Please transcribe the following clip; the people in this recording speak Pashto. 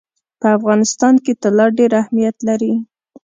په افغانستان کې طلا ډېر اهمیت لري.